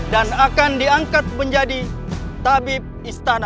dan akan diangkat menjadi tabib istana